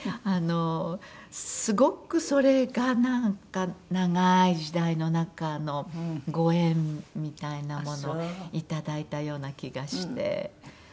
すごくそれがなんか長い時代の中のご縁みたいなものをいただいたような気がしてうれしかったです。